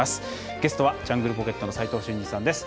ゲストはジャングルポケットの斉藤慎二さんです。